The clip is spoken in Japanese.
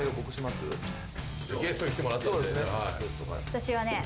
私はね